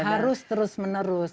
harus terus menerus